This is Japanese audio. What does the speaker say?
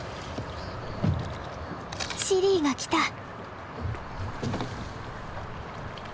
シリーが来た。